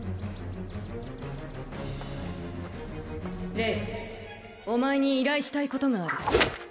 レイお前に依頼したいことがある